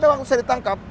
waktu saya ditangkap